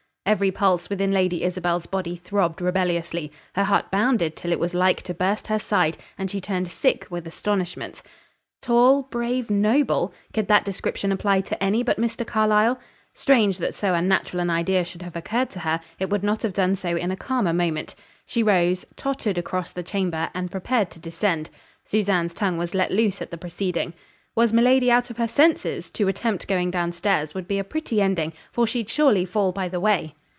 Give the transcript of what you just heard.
Every pulse within Lady Isabel's body throbbed rebelliously: her heart bounded till it was like to burst her side, and she turned sick with astonishment. "Tall, brave, noble?" could that description apply to any but Mr. Carlyle? Strange that so unnatural an idea should have occurred to her; it would not have done so in a calmer moment. She rose, tottered across the chamber, and prepared to descend. Susanne's tongue was let loose at the proceeding. "Was miladi out of her senses? To attempt going downstairs would be a pretty ending, for she'd surely fall by the way.